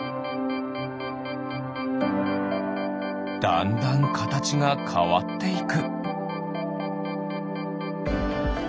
だんだんかたちがかわっていく。